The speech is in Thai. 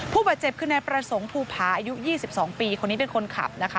ผู้บาดเจ็บคืนในประสงค์ภูผา